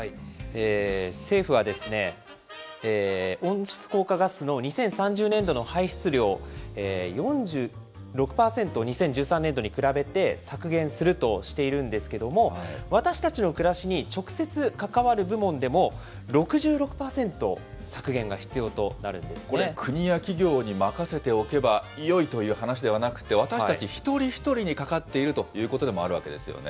政府はですね、温室効果ガスの２０３０年度の排出量、４６％、２０１３年度に比べて削減するとしているんですけれども、私たちの暮らしに直接関わる部門でも、これ、国や企業に任せておけばよいという話ではなくて、私たち一人一人にかかっているということでもあるわけですよね。